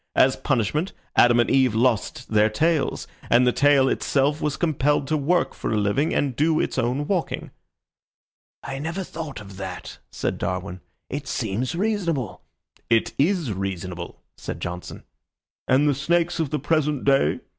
"As punishment Adam and Eve lost their tails, and the tail itself was compelled to work for a living and do its own walking." "I never thought of that," said Darwin. "It seems reasonable." "It is reasonable," said Johnson. "And the snakes of the present day?"